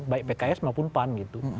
baik pks maupun pan gitu